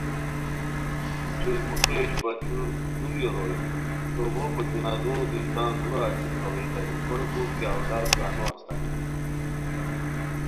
چھوئی موخیو اشپاشور دُوریو روئے تو بوکو جنازو دی تان دُورہ التی کھاڑیتانی کوریکو کیہ اولاد کا نو استانی